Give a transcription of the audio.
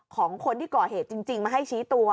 ของคนที่ก่อเหตุจริงมาให้ชี้ตัว